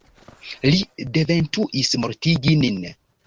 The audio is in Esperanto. Li devintus mortigi nin.